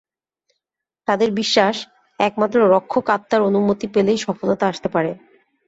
তাদের বিশ্বাস, একমাত্র রক্ষক আত্মার অনুমতি পেলেই সফলতা আসতে পারে।